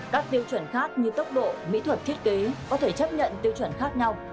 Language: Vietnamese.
các tiêu chuẩn khác như tốc độ mỹ thuật thiết kế có thể chấp nhận tiêu chuẩn khác nhau